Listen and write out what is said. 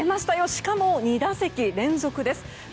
しかも２打席連続です。